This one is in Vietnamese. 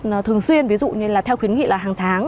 nó thường xuyên ví dụ như là theo khuyến nghị là hàng tháng